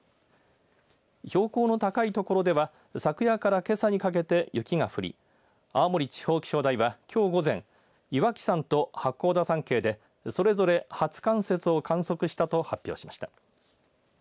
標高の高い所では昨夜からけさにかけて雪が降り青森地方気象台はきょう午前岩木山と八甲田山系でそれぞれ初冠雪を観測したと発表しました。